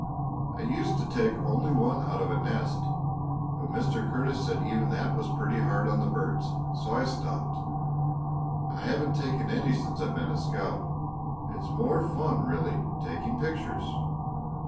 I used to take only one out of a nest, but Mr. Curtis said even that was pretty hard on the birds, so I stopped. I haven't taken any since I've been a scout. It's more fun, really, taking pictures."